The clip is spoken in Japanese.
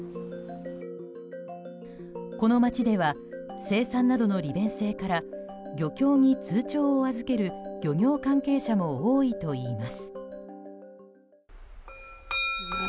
この町では生産などの利便性から漁協に通帳を預ける漁業関係者も多いといいます。